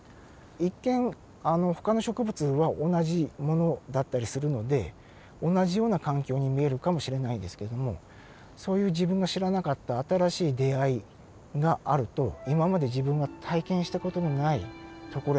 一見あのほかの植物は同じものだったりするので同じような環境に見えるかもしれないですけどもそういう自分が知らなかった新しい出会いがあると今まで自分が体験した事のない所へ来てるんだな